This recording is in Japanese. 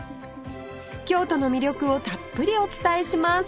京都の魅力をたっぷりお伝えします